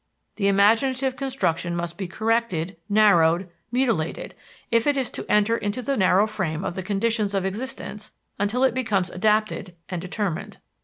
The imaginative construction must be corrected, narrowed, mutilated, if it is to enter into the narrow frame of the conditions of existence, until it becomes adapted and determined.